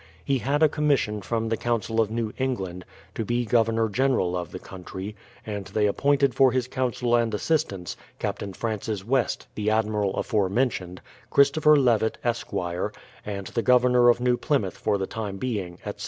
He had a Commission from the Council of New England, to be Governor General of the country, and they appointed for his counsel and assistance, Captain Francis West, — the admiral aforementioned, — Christopher Levett, Esquire, and the Governor of New Plymouth for the time being, etc.